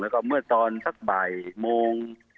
แล้วก็เมื่อตอนสักบ่ายโมง